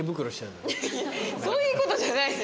そういうことじゃないです。